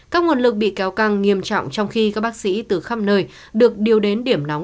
các nguồn lực bị kéo càng nghiêm trọng trong khi các bác sĩ từ khắp nơi được điều đến điểm nóng